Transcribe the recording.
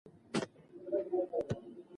زغال د افغانستان د تکنالوژۍ پرمختګ سره تړاو لري.